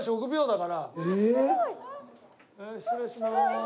失礼しまーす。